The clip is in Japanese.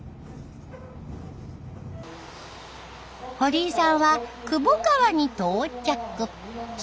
堀井さんは窪川に到着。